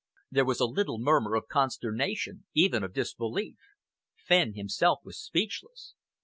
There was a little murmur of consternation, even of disbelief. Fenn himself was speechless.